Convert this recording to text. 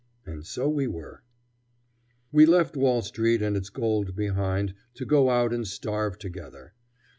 And so we were. We left Wall Street and its gold behind to go out and starve together.